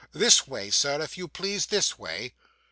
This way, sir, if you please, this way.